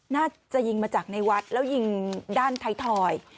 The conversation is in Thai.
น่าจะยิงมาจากในวัดแล้วยิงด้านท้ายถอย